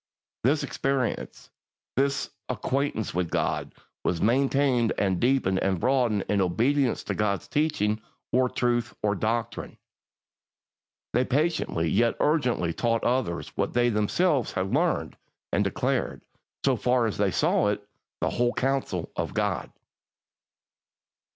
This experience, this acquaintance with God, was maintained and deepened and broadened in obedience to God's teaching, or truth, or doctrine. 3. They patiently yet urgently taught others what they themselves had learned, and declared, so far as they saw it, the whole counsel of God.